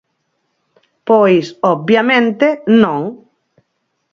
Pois, obviamente, non.